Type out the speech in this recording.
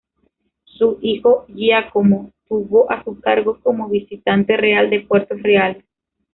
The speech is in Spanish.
Su hijo Giacomo tuvo a su cargo como visitante real de Puertos reales.